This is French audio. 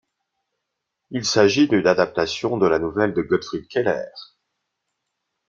Il s'agit d'une adaptation de la nouvelle de Gottfried Keller.